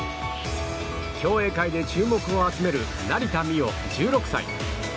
競泳界で注目を集める成田実生、１６歳。